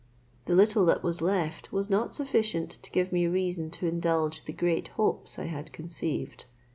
The little that was left was not sufficient to give me reason to indulge the great hopes I had conceived.